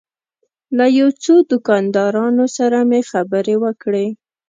له یو څو دوکاندارانو سره مې خبرې وکړې.